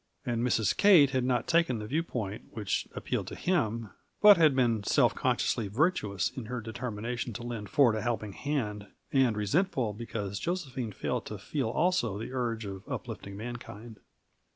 And Mrs. Kate had not taken the view point which appealed to him, but had been self consciously virtuous in her determination to lend Ford a helping hand, and resentful because Josephine failed to feel also the urge of uplifting mankind.